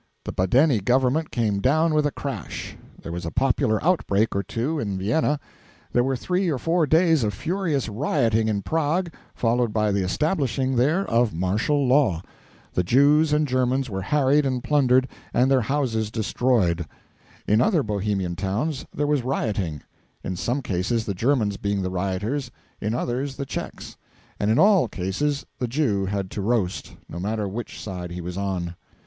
The Badeni government came down with a crash; there was a popular outbreak or two in Vienna; there were three or four days of furious rioting in Prague, followed by the establishing there of martial law; the Jews and Germans were harried and plundered, and their houses destroyed; in other Bohemian towns there was rioting in some cases the Germans being the rioters, in others the Czechs and in all cases the Jew had to roast, no matter which side he was on.